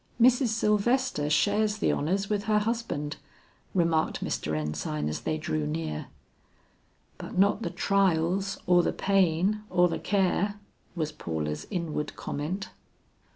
"Mrs. Sylvester shares the honors with her husband," remarked Mr. Ensign as they drew near. "But not the trials, or the pain, or the care?" was Paula's inward comment.